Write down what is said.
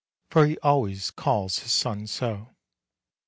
For he always calls his son so.